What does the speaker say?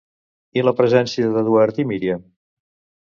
I la presència d'Eduard i Míriam?